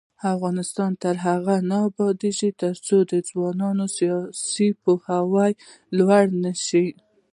افغانستان تر هغو نه ابادیږي، ترڅو د ځوانانو سیاسي پوهاوی لوړ نشي.